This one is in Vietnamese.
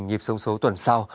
nhịp sông số tuần sau